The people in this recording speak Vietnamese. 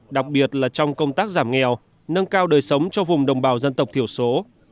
đặc biệt là trong công tác giảm nghèo nâng cao đời sống cho vùng đồng bào dân tộc thiểu số